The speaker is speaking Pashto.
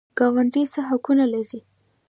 ګاونډي څه حقوق لري؟